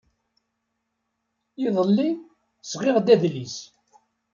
Iḍelli, sɣiɣ-d adlis.